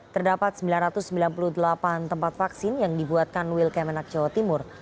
terdapat sembilan ratus sembilan puluh delapan tempat vaksin yang dibuat kanwil kemenak jawa timur